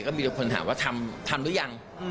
ก็มีแต่ความถามว่าทำทำหรือยัง